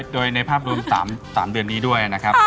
โดยในภาพรวม๓เดือนนี้ด้วยนะครับ